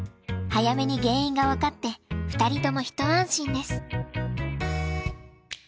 早めに原因が分かって２人とも一安心です。